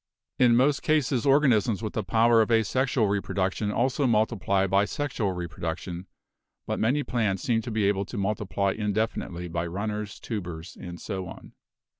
In most cases organisms with the power of asexual reproduction also multiply by sexual reproduction, but many plants seem to be able to multiply indefinitely by runners, tubers and so on.